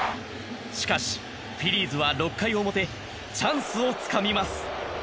しかし、フィリーズは６回表チャンスをつかみます。